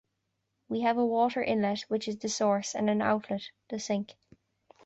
We have a water inlet, which is the source, and an outlet, the sink.